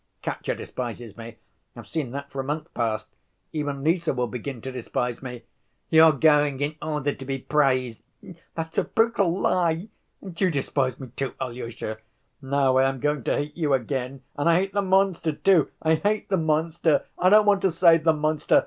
Katya despises me. I've seen that for a month past. Even Lise will begin to despise me! 'You are going in order to be praised.' That's a brutal lie! And you despise me too, Alyosha. Now I am going to hate you again! And I hate the monster, too! I hate the monster! I don't want to save the monster.